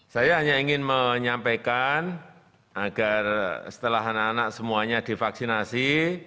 saya hanya ingin menyampaikan agar setelah anak anak semuanya divaksinasi